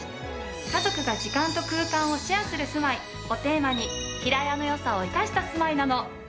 家族が時間と空間をシェアする住まいをテーマに平屋の良さを活かした住まいなの。